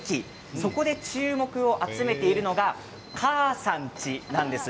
そこで注目を集めているのがかあさん家なんです。